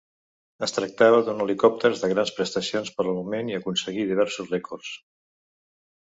Es tractava d'un helicòpter de grans prestacions per al moment i aconseguí diversos rècords.